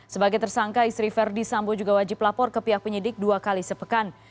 sebagai tersangka istri verdi sambo juga wajib lapor ke pihak penyidik dua kali sepekan